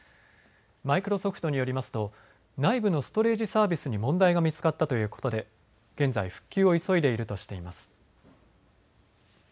マイクロソフトによりますと内部のストレージサービスに問題が見つかったということで現在、復旧を急いでいるとしています。